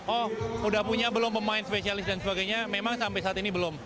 oh udah punya belum pemain spesialis dan sebagainya memang sampai saat ini belum